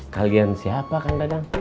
kalian siapa kang dadang